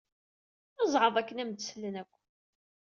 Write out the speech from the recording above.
Zɛeḍ akken ad am-d-slen akk.